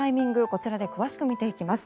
こちらで詳しく見ていきます。